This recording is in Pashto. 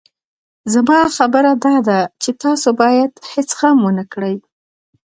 زما خبره داده چې تاسو بايد هېڅ غم ونه کړئ.